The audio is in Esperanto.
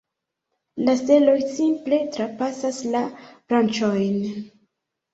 La steloj simple trapasas la branĉojn.